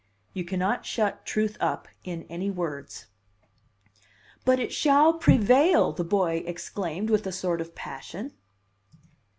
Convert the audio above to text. You cannot shut truth up in any words." "But it shall prevail!" the boy exclaimed with a sort of passion.